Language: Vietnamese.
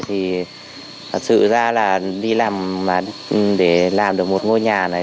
thì thật sự ra là đi làm để làm được một ngôi nhà này